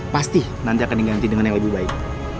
pasti nanti akan diganti dengan yang lebih baik